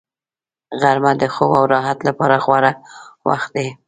غرمه د خوب او راحت لپاره غوره وخت دی